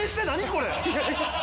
これ。